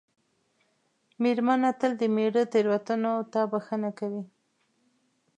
مېرمنه تل د مېړه تېروتنو ته بښنه کوي.